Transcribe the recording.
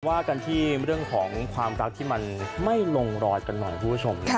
ว่ากันที่เรื่องของความรักที่มันไม่ลงรอยกันหน่อยคุณผู้ชม